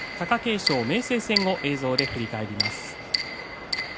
勝明生戦を映像で振り返ります。